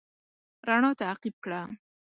رڼا تعقيب کړه.